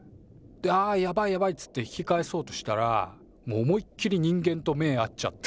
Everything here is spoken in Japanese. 「あやばいやばい」っつって引き返そうとしたらもう思いっ切り人間と目ぇ合っちゃって。